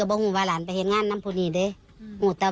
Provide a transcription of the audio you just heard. ข้าร้านเผยงงานเก่งใจฟัง